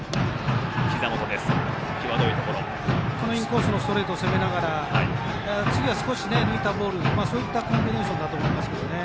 インコースのストレートで攻めながら次は少し抜いたボールというコンビネーションだと思います。